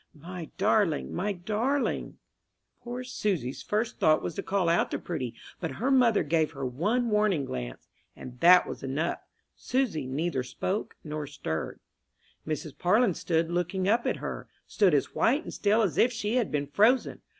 My darling, my darling!" Poor Susy's first thought was to call out to Prudy, but her mother gave her one warning glance, and that was enough: Susy neither spoke nor stirred. Mrs. Parlin stood looking up at her stood as white and still as if she had been frozen!